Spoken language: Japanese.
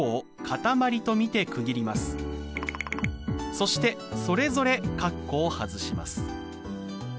そしてそれぞれ括弧を外します。